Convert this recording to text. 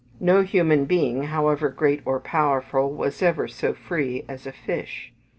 No human being, however great or powerful, was ever so free as a fish.